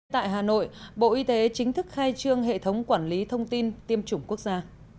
tại hà nội bộ y tế chính thức khai trương hệ thống quản lý thông tin tiêm chủng quốc gia